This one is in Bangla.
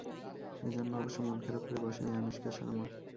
এ জন্য অবশ্য মন খারাপ করে বসে নেই আনুশকা শর্মা।